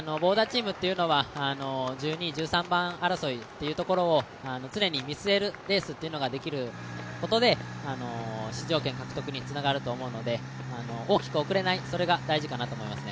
ボーダーチームは１２位、１３番争いを常に見据えるレースというのができることで出場権獲得につながると思うので、大きく遅れないのが大事かなと思いますね。